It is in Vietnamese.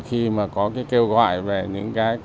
khi có kêu gọi về những